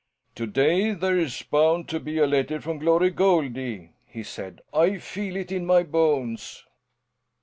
"To day there's bound to be a letter from Glory Goldie," he said. "I feel it in my bones."